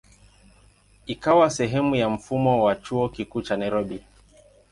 Ikawa sehemu ya mfumo wa Chuo Kikuu cha Nairobi.